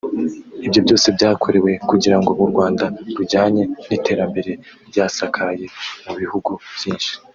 Ibyo byose byakorewe kugira ngo u Rwanda rujyanye n’iterambere ryasakaye mu bihugu byinshi